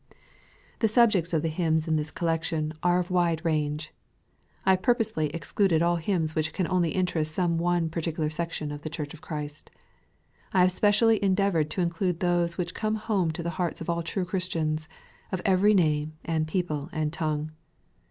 T/ie subjects of the hjams in this collection. PREFACE. n are of wide range. I have purposely excluded all hymns which can only interest some one particu lar section of the Church of Christ. I have spe cially endeavoured to include those which come home to the hearts of all true Christians, of every name, and people, and tongue.